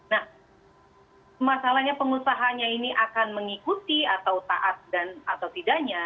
nah masalahnya pengusahanya ini akan mengikuti atau taat atau tidaknya